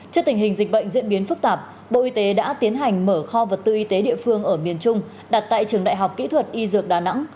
trước tình hình dịch bệnh diễn biến phức tạp bộ y tế đã tiến hành mở kho vật tư y tế địa phương ở miền trung đặt tại trường đại học kỹ thuật y dược đà nẵng